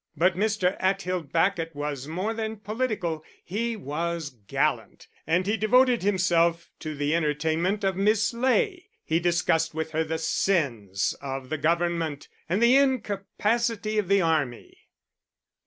But Mr. Atthill Bacot was more than political, he was gallant, and he devoted himself to the entertainment of Miss Ley. He discussed with her the sins of the government and the incapacity of the army.